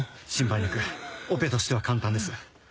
心配なくオペとしては簡単です。